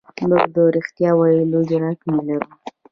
موږ د رښتیا ویلو جرئت نه لرو.